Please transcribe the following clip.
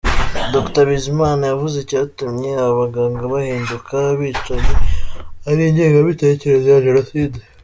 Dr Bizimana yavuze icyatumye aba baganga bahinduka abicanyi ari ingengabitekerezo ya Jenoside.